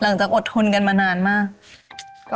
หลังจากอดทุนกันมานานมาก